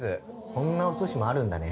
こんなお寿司もあるんだね。